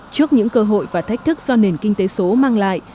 trước những cơ hội và thách thức do nền kinh tế số mang lại